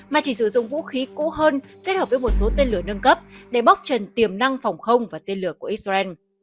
mà chỉ sử dụng vũ khí cũ hơn kết hợp với một số tên lửa nâng cấp để bóc trần tiềm năng phòng không và tên lửa của israel